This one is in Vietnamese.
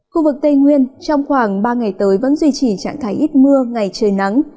khu vực tây nguyên trong khoảng ba ngày tới vẫn duy trì trạng thái ít mưa ngày trời nắng